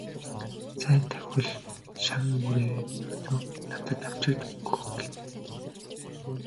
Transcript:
Сайн давхивал шан мөрийнөөсөө надад авчирч өгөх гэнэ.